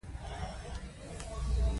موږ مېلې او لمانځنې هم د عوامو کلتور ګڼو.